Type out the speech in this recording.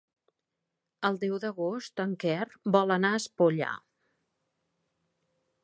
El deu d'agost en Quer vol anar a Espolla.